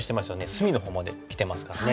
隅のほうまできてますからね。